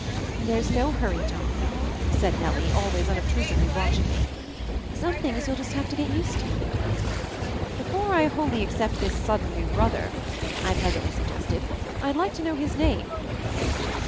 "There's no hurry, John," said Nellie, al ways unobtrusively watching me. "Some things you'll just have to get used to." "Before I wholly accept this sudden new MOVING THE MOUNTAIN 67 brother," I presently suggested, "I'd like to know his name."